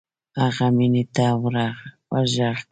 هغه مينې ته ورږغ کړه.